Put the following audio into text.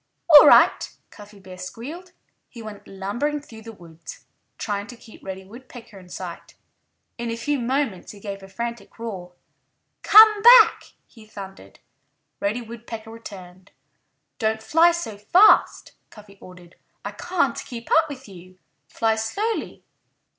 "All right!" Cuffy Bear squealed. He went lumbering through the woods, trying to keep Reddy Woodpecker in sight. In a few moments he gave a frantic roar. "Come back!" he thundered. Reddy Woodpecker returned. "Don't fly so fast," Cuffy ordered. "I can't keep up with you. Fly slowly!"